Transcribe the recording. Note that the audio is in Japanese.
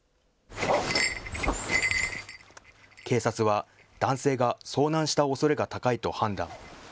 警察は男性が遭難したおそれが高いと判断。